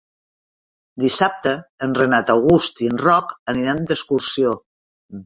Dissabte en Renat August i en Roc aniran d'excursió.